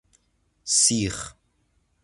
سیخ